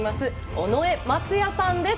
尾上松也さんです。